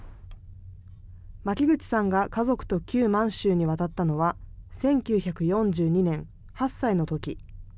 巻口さんが家族と旧満州に渡ったのは１９４２年、８歳のとき。